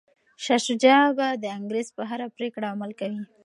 شاه شجاع به د انګریز په هره پریکړه عمل کوي.